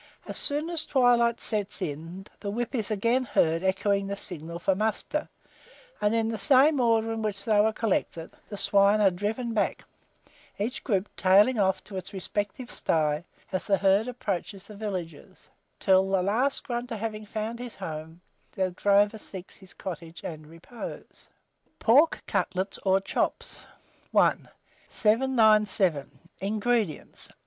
As soon as twilight sets in, the whip is again heard echoing the signal for muster; and in the same order in which they were collected, the swine are driven back, each group tailing off to its respective sty, as the herd approaches the villages, till the last grunter, having found his home, the drover seeks his cottage and repose. PORK CUTLETS OR CHOPS. I. 797. INGREDIENTS.